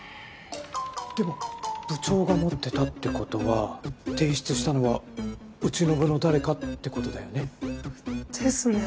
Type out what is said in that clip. でも部長が待ってたって事は提出したのはうちの部の誰かって事だよね？ですね。